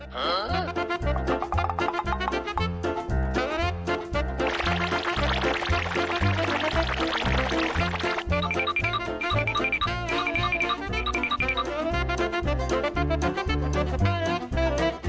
หือ